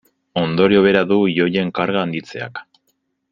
Ondorio bera du ioien karga handitzeak.